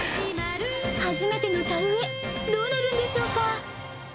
初めての田植え、どうなるんでしょうか。